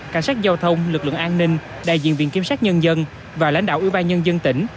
cảnh sát giao thông lực lượng an ninh đại diện viện kiểm sát nhân dân và lãnh đạo ủy ban nhân dân tỉnh